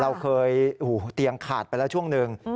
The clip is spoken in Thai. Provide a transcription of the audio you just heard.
เราเคยเตียงขาดไปแล้วช่วงหนึ่ง